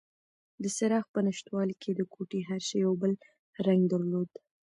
د څراغ په نشتوالي کې د کوټې هر شی یو بل رنګ درلود.